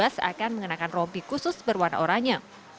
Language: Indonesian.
seakan mengenakan rompi khusus berwarna oranye